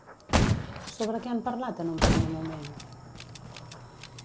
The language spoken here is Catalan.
Sobre què han parlat en un primer moment?